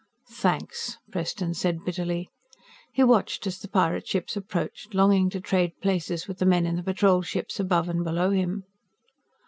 "Thanks," Preston said bitterly. He watched as the pirate ships approached, longing to trade places with the men in the Patrol ships above and below him.